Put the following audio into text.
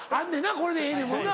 これでええねんもんな。